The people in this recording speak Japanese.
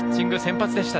先発でした。